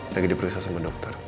lagi diperiksa sama dokter